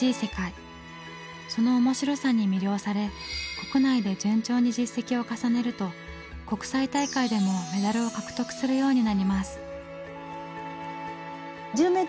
その面白さに魅了され国内で順調に実績を重ねると国際大会でもメダルを獲得するようになります。